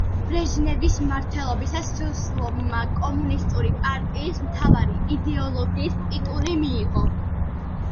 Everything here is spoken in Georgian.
ბრეჟნევის მმართველობისას სუსლოვმა „კომუნისტური პარტიის მთავარი იდეოლოგის“ ტიტული მიიღო.